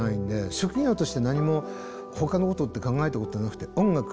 職業として何もほかのことって考えたことはなくて音楽をやる。